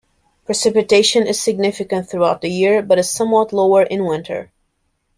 Precipitation is significant throughout the year, but is somewhat lower in winter.